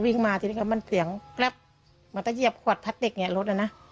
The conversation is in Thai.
วิ่งมาทีนี้ก็มันเสียงแป๊บมันต้องเยียบขวดพลาติกเนี่ยรถน่ะนะ